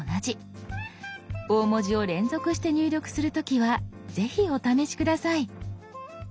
大文字を連続して入力する時はぜひお試し下さい。